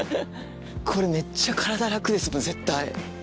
これめっちゃ体楽ですよ絶対。